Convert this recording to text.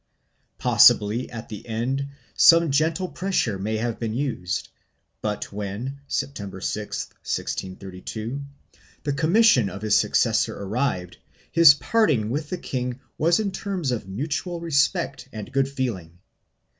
Possibly at the end some gentle pressure may have been used, but when, September 6, 1632, the commission of his successor arrived, his parting with the king was in terms of mutual respect and good feeling.